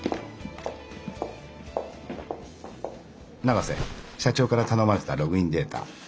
永瀬社長から頼まれてたログインデータ。